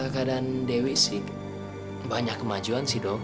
keadaan dewi sih banyak kemajuan sih dok